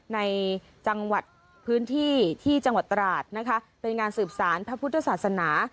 ในจังหวัดพื้นที่ที่จังหวัดตราดนะคะเป็นงานสืบสารพระพุทธศาสนา